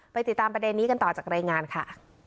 ติดตามประเด็นนี้กันต่อจากรายงานค่ะ